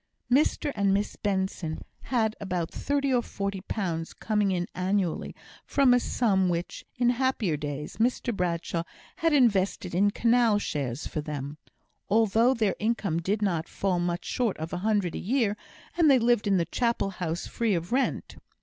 Mr and Miss Benson had about thirty or forty pounds coming in annually from a sum which, in happier days, Mr Bradshaw had invested in Canal shares for them. Altogether their income did not fall much short of a hundred a year, and they lived in the Chapel house free of rent.